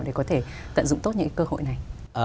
để có thể tận dụng tốt những cơ hội này